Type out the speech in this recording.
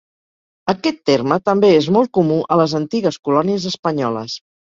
Aquest terme també és molt comú a les antigues Colònies espanyoles.